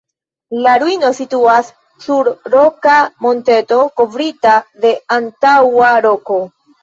La ruino situas sur roka monteto kovrita de antaŭa roko.